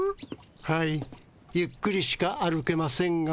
はいゆっくりしか歩けませんが。